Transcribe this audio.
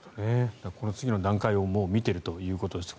次の段階をもう見ているということです。